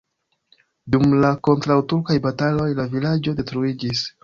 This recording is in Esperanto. Dum la kontraŭturkaj bataloj la vilaĝo detruiĝis.